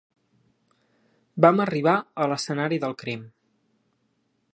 Vam arribar a l'escenari del crim.